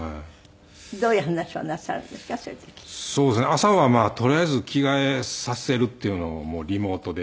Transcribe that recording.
朝はとりあえず着替えさせるっていうのをリモートで。